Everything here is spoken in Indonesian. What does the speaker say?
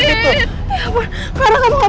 ya pun clara kamu apa kan